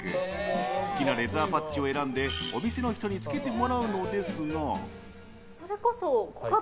好きなレザーパッチを選んでお店の人につけてもらうのですが。